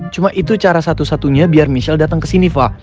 cuma itu cara satu satunya biar michelle dateng kesini va